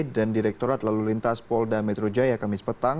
dan direktorat lalu lintas polda metro jaya kamis petang